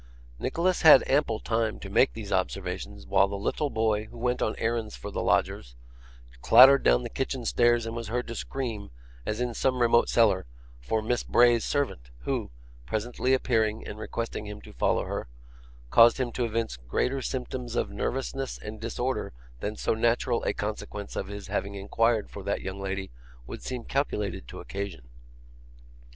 Nicholas had ample time to make these observations while the little boy, who went on errands for the lodgers, clattered down the kitchen stairs and was heard to scream, as in some remote cellar, for Miss Bray's servant, who, presently appearing and requesting him to follow her, caused him to evince greater symptoms of nervousness and disorder than so natural a consequence of his having inquired for that young lady would seem calculated to occasion.